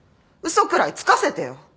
嘘くらいつかせてよ！